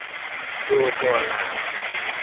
ดูตัวอย่าง